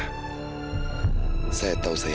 saya tahu saya harus menolaknya